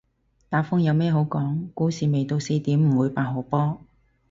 打風有咩好講，股市未到四點唔會八號波